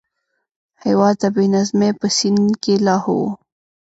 هېواد د بې نظمۍ په سین کې لاهو و.